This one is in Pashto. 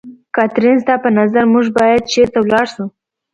کاترین، ستا په نظر موږ باید چېرته ولاړ شو؟